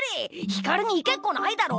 光に行けっこないだろ？